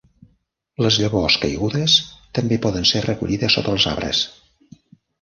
Les llavors caigudes també poden ser recollides sota els arbres.